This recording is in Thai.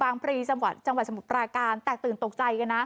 บางเพรีริยุรับสุดจังหวัดจังหวัดชมบุตราการแตกตื่นตกใจกันนะ